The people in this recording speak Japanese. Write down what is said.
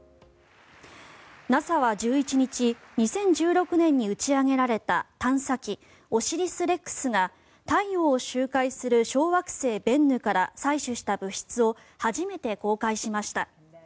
ＮＡＳＡは１１日２０１６年に打ち上げられた探査機オシリス・レックスが太陽を周回する小惑星ベンヌから採取した物質を初めて公開しました。